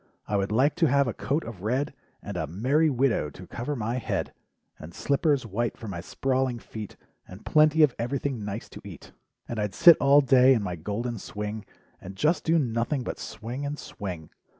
I would like to have a coat of red, And a 'merry widow' to cover my head, And slippers white for my sprawling feet, And plenty of everything nice to eat And I'd sit all day in my golden swing. And just do nothing but swing and swing.